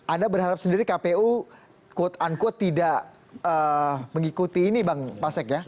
anda berharap sendiri kpu quote unquote tidak mengikuti ini bang pasek ya